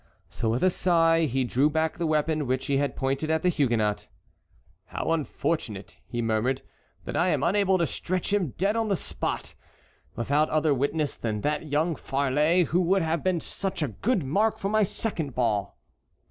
So with a sigh he drew back the weapon which he had pointed at the Huguenot. "How unfortunate," he murmured, "that I am unable to stretch him dead on the spot, without other witness than that young varlet who would have been such a good mark for my second ball!"